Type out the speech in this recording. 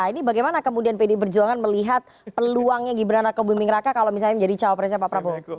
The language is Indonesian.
ini bagaimana kemudian pd berjuangan melihat peluangnya gibran raka buming raka kalau misalnya menjadi cawa pressnya pak prabowo